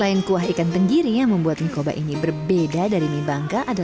ini dia jeruk khas dari bangka